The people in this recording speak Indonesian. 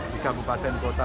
jika bupati dan kota